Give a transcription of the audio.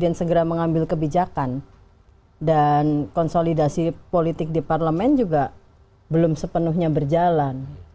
karena presiden segera mengambil kebijakan dan konsolidasi politik di parlemen juga belum sepenuhnya berjalan